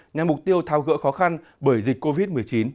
nhằm mục tiêu thao gỡ khó khăn bởi dịch covid một mươi chín